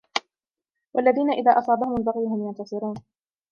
وَالَّذِينَ إِذَا أَصَابَهُمُ الْبَغْيُ هُمْ يَنْتَصِرُونَ